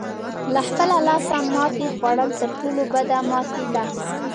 له خپله لاسه ماتې خوړل تر ټولو بده ماتې ده.